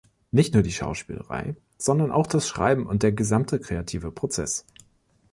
Nicht nur die Schauspielerei, sondern auch das Schreiben und der gesamte kreative Prozess.